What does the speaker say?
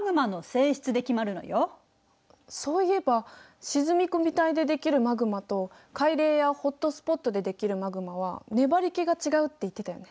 そういえば沈み込み帯で出来るマグマと海嶺やホットスポットで出来るマグマは粘りけが違うって言ってたよね。